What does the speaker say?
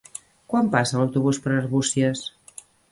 Quan passa l'autobús per Arbúcies?